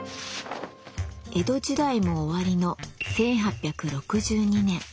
江戸時代も終わりの１８６２年。